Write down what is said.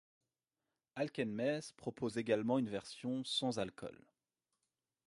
Alken Maes propose également une version sans alcool.